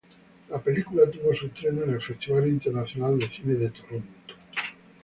La película tuvo su estreno en el Festival Internacional de Cine de Toronto.